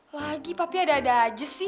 lagi tapi ada ada aja sih